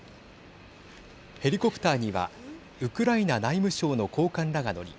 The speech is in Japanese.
ヘリコプターにはウクライナ内務省の高官らが乗り